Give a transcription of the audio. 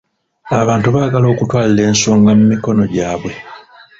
Abantu baagala okutwalira ensonga mu mikono gyabwe.